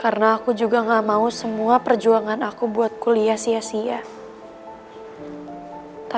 karena aku juga gak mau semua perjuangan aku buat kuliah sia sia